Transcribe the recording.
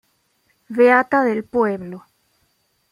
Beata del pueblo.